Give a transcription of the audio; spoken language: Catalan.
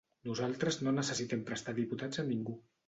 Nosaltres no necessitem prestar diputats a ningú.